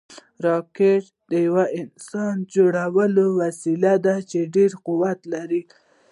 راکټ یو انسانجوړ وسایل دي چې ډېر قوت لري